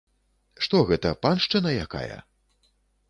Што гэта, паншчына якая?